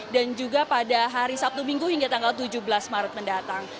dan juga pada hari sabtu minggu hingga tanggal tujuh belas maret mendatang